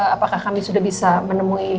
apakah kami sudah bisa menemui